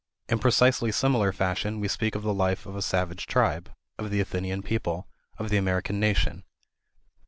In precisely similar fashion we speak of the life of a savage tribe, of the Athenian people, of the American nation.